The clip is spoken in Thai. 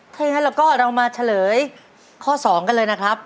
โอเคแล้วก็เรามาเฉลยข้อ๒กันเลยนะครับ